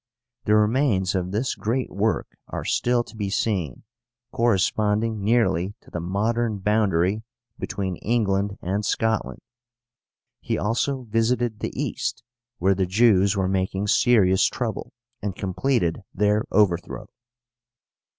The remains of this great work are still to be seen, corresponding nearly to the modern boundary between England and Scotland. He also visited the East, where the Jews were making serious trouble, and completed their overthrow.